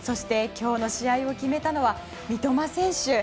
今日の試合を決めたのは三笘選手。